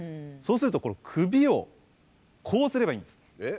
そうするとこの首をこうすればいいんです。